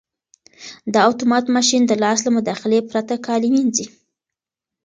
دا اتومات ماشین د لاس له مداخلې پرته کالي مینځي.